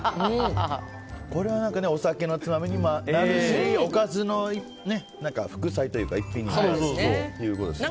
これはお酒のつまみにもなるしおかずの副菜というか一品にもということですよね。